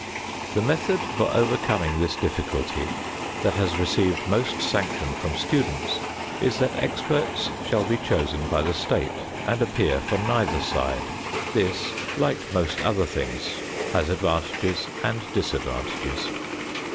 The method for overcoming this difficulty that has received most sanction from students is that experts shall be chosen by the state and appear for neither side. This, like most other things, has advantages and disadvantages.